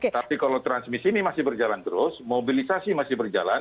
tapi kalau transmisi ini masih berjalan terus mobilisasi masih berjalan